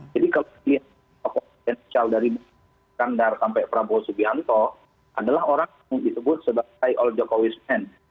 jadi kalau diantara bkb iskandar sampai prabowo subianto adalah orang yang disebut sebagai all jokowi's men